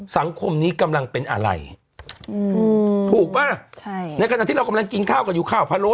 สังคมนี้กำลังเป็นอะไรอืมถูกป่ะใช่ในขณะที่เรากำลังกินข้าวกันอยู่ข้าวพะโล้